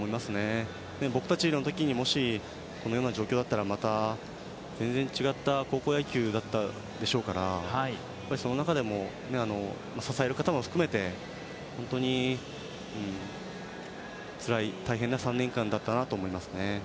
僕たちのときにもしこのような状況だったらまた全然違った高校野球だったでしょうから、その中でも支える方も含めて本当につらい大変な３年間だったなと思いますね。